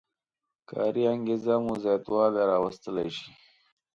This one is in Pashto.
کاري انګېزه کې مو زیاتوالی راوستلی شي.